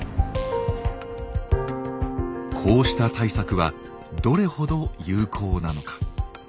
こうした対策はどれほど有効なのか。